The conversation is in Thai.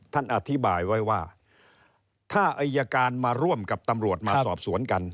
ท่านอธิบายไว้ว่าถ้าอายการมาร่วมกับตำรวจมาสอบสวนกัน